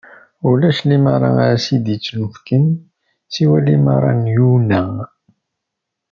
Ulac limaṛa ara s-d-ittunefken siwa limaṛa n Yuna.